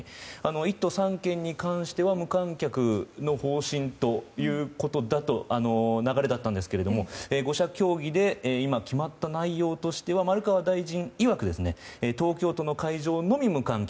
１都３県に関しては無観客の方針という流れだったんですが５者協議で今、決まった内容としては丸川大臣いわく東京都の会場のみ無観客。